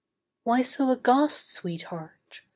Why so aghast, sweetheart?